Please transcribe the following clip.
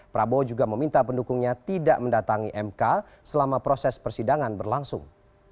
prabowo juga meminta pendukungnya tidak mendatangi mk selama proses persidangan berlangsung